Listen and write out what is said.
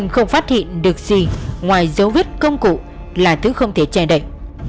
không phát hiện được gì ngoài dấu vết công cụ là thứ không thể che đậy